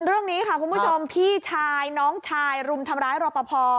เรื่องนี้ค่ะคุณผู้ชมพี่ชายน้องชายรุมทำร้ายรอปภ